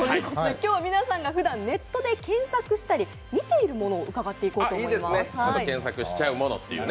今日は皆さんがふだんネットで検索したり見ているものを伺っていこうと思います。